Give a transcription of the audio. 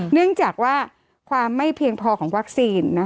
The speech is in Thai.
เนื่องจากว่าความไม่เพียงพอของวัคซีน